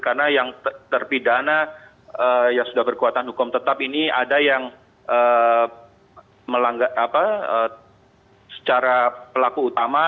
karena yang terpidana yang sudah berkuatan hukum tetap ini ada yang melanggar secara pelaku utama